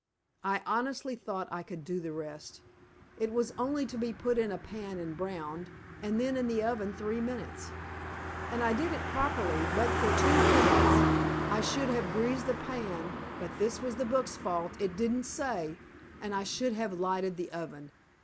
I honestly thought I could do the rest. It was only to be put in a pan and browned, and then in the oven three minutes. And I did it properly, but for two things: I should have greased the pan (but this was the book's fault; it didn't say) and I should have lighted the oven.